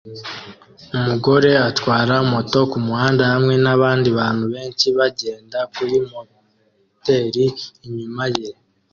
Umugore atwara moto kumuhanda hamwe nabandi bantu benshi bagenda kuri moteri inyuma ye